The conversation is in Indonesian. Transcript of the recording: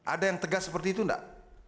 ada yang tegas seperti itu enggak